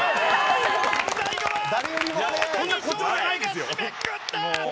最後は大谷翔平が締めくくった！